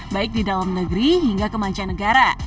baik di dalam negeri hingga ke mancanegara